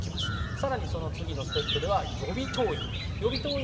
更に、その次のステップでは予備党員。